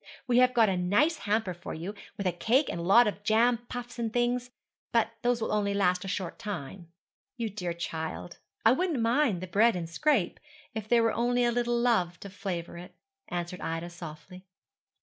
We have got a nice hamper for you, with a cake and a lot of jam puffs and things; but those will only last a short time.' 'You dear child, I wouldn't mind the bread and scrape, if there were only a little love to flavour it,' answered Ida softly.